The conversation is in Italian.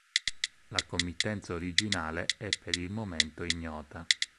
La committenza originale è per il momento ignota.